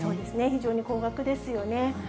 非常に高額ですよね。